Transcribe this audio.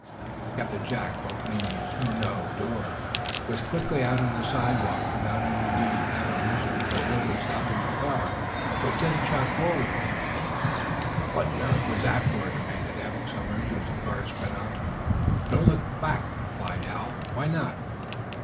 Captain Jack, opening the tonneau door, was quickly out on the sidewalk, without any need having risen for wholly stopping the car, which then shot forward again. "Now, what on earth was that for?" demanded Eph Somers, as the car sped on. "Don't look back," replied Hal. "Why not?"